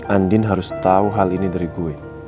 andin harus tahu hal ini dari gue